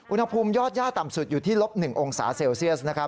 อุณหภูมิยอดย่าต่ำสุดอยู่ที่ลบ๑องศาเซลเซียส